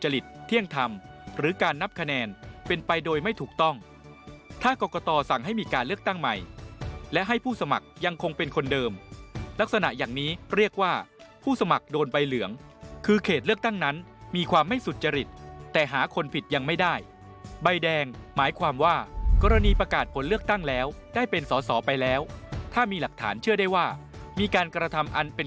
การเลือกตั้งในเขตเลือกตั้งใดไม่สุจริตเที่ยงทำหรือการนับคะแนนเป็นไปโดยไม่ถูกต้องถ้ากรกตอสั่งให้มีการเลือกตั้งใหม่และให้ผู้สมัครยังคงเป็นคนเดิมลักษณะอย่างนี้เรียกว่าผู้สมัครโดนใบเหลืองคือเขตเลือกตั้งนั้นมีความไม่สุจริตแต่หาคนผิดยังไม่ได้ใบแดงหมายความว่ากรณีประกาศผลเลือกตั้งแล้วได้เป็น